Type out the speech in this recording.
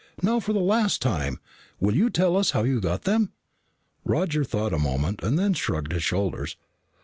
"Now for the last time, will you tell us how you got them?" Roger thought a moment and then shrugged his shoulders.